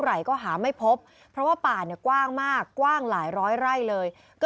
ไหนก็หาไม่พบเพราะว่าป่าเนี่ยกว้างมากกว้างหลายร้อยไร่เลยก็